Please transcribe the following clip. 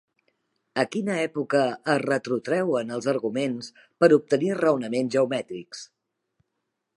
A quina època es retrotreuen els arguments per obtenir raonaments geomètrics?